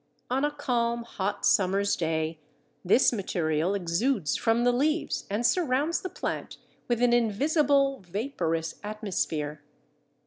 On a calm, hot summer's day, this material exudes from the leaves and surrounds the plant with an invisible vaporous atmosphere.